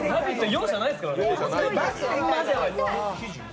容赦ないですからね。